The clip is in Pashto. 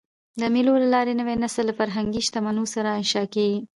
د مېلو له لاري نوی نسل له فرهنګي شتمنیو سره اشنا کېږي.